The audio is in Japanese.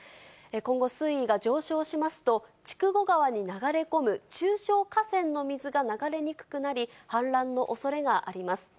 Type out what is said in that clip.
今後、水位が上昇しますと、筑後川に流れ込む中小河川の水が流れにくくなり、氾濫のおそれがあります。